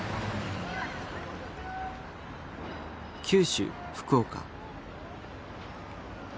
九州福岡。